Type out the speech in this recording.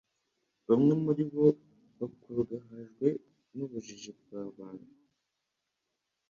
Bamwe muri bo bakurugahajwe n'ubujiji bwa rubanda,